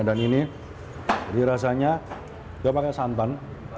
dan ini dirasanya dia pakai santan